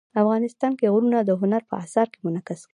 افغانستان کې غرونه د هنر په اثار کې منعکس کېږي.